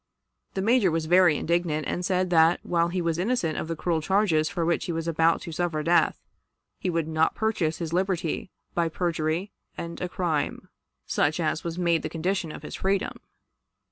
The Major was very indignant, and said that, while he was innocent of the cruel charges for which he was about to suffer death, he would not purchase his liberty by perjury and a crime, such as was made the condition of his freedom.